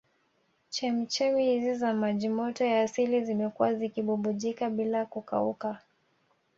Chemchem hizi za maji moto ya asili zimekuwa zikibubujika bila kukauka